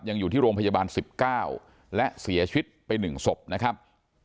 อยู่ที่โรงพยาบาล๑๙และเสียชีวิตไป๑ศพนะครับ